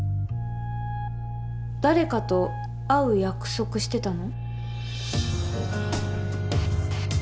誰かと会う約束してたの？